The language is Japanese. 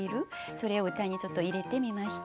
それを歌にちょっと入れてみました。